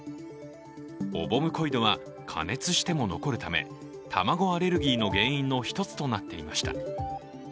オボムコイドは加熱しても残るため卵アレルギーの原因の１つとなっていました。